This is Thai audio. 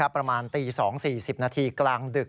ประมาณตี๒๔๐นาทีกลางดึก